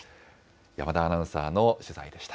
山田アナウンサーの取材でした。